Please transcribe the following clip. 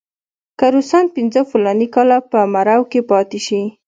که روسان پنځه فلاني کاله په مرو کې پاتې شي.